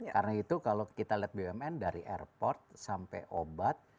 karena itu kalau kita lihat bumn dari airport sampai obat